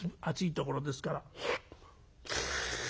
ところですから」。